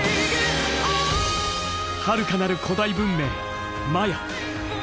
はるかなる古代文明マヤ。